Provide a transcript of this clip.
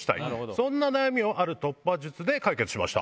そんな悩みをある突破術で解決しました。